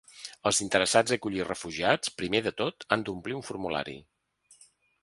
Els interessats a acollir refugiats, primer de tot, han d’omplir un formulari.